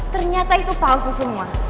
ternyata itu palsu semua